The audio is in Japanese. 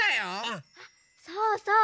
あそうそう！